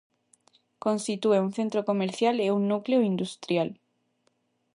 Constitúe un centro comercial e un núcleo industrial.